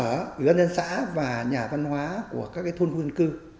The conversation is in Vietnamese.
người dân xã và nhà văn hóa của các thôn khu dân cư